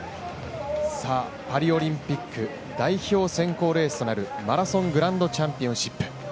パリオリンピック代表選考レースとなるマラソングランドチャンピオンシップ。